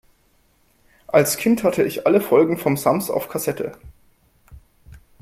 Als Kind hatte ich alle Folgen vom Sams auf Kassette.